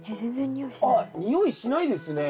あっ臭いしないですね。